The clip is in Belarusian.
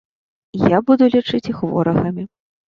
Я буду лічыць іх ворагамі.